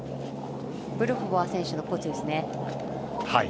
ブルホバー選手のコーチですね。